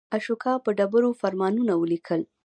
اشوکا په ډبرو فرمانونه ولیکل.